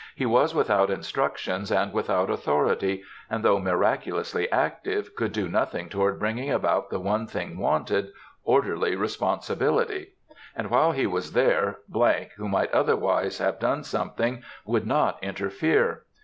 He was without instructions and without authority, and, though miraculously active, could do nothing toward bringing about the one thing wanted, orderly responsibility, and while he was there, ——, who might otherwise have done something, would not interfere.